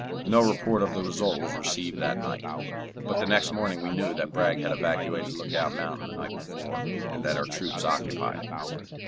No report of the result was received that night, but the next morning we knew that Bragg had evacuated Lookout Mountain the night before, and that our troops occupied it.